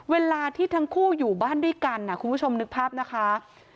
เวลาที่ทั้งคู่อยู่บ้านด้วยกันคุณผู้ชมนึกภาพนะคะ